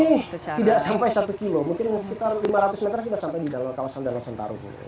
ini tidak sampai satu kilo mungkin sekitar lima ratus meter kita sampai di dalam kawasan danau sentarung